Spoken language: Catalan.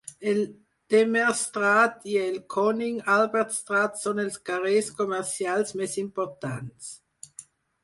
El Demerstraat i el Koning Albertstraat són els carrers comercials més importants.